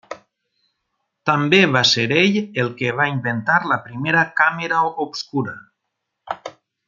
També va ser ell el que va inventar la primera càmera obscura.